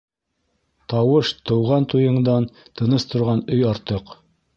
Тауыш тыуған туйыңдан Тыныс торған өй артыҡ.